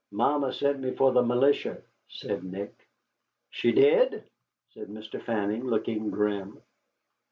"Mamma sent me for the militia," said Nick. "She did!" said Mr. Fanning, looking grim.